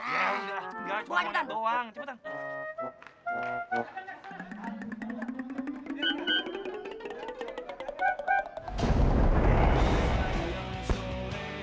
ya iya enggak cuman cipetan